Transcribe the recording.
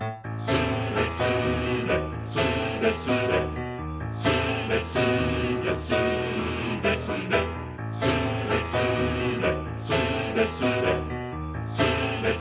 「スレスレスレスレ」「スレスレスーレスレ」「スレスレ」